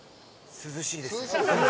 涼しいです。